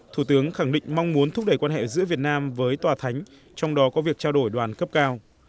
thủ tướng khẳng định mong muốn thúc đẩy quan hệ giữa việt nam với tòa thánh trong đó có việc trao đổi đoàn cấp cao